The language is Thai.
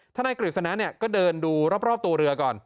นายกฤษณะก็เดินดูรอบตัวเรือก่อน